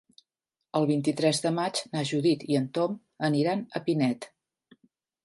El vint-i-tres de maig na Judit i en Tom aniran a Pinet.